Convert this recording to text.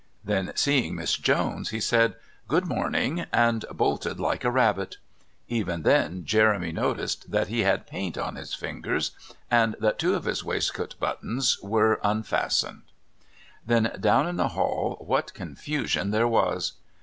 Then, seeing Miss Jones, he said: "Good morning," and bolted like a rabbit. Even then Jeremy noticed that he had paint on his fingers, and that two of his waistcoat buttons were unfastened. Then down in the hall what confusion there was!